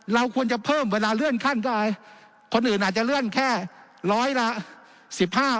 เราควรจะเพิ่มเวลาเลื่อนขั้นก็อะไรคนอื่นอาจจะเลื่อนแค่ร้อยละสิบห้า